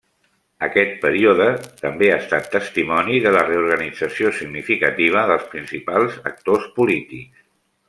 Aquest període també ha estat testimoni de la reorganització significativa dels principals actors polítics.